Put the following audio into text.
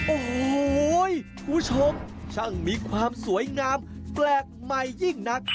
โอ้โหคุณผู้ชมช่างมีความสวยงามแปลกใหม่ยิ่งนัก